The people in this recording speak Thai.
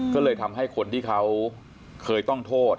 ก็เลยทำให้คนที่เขาเคยต้องโทษ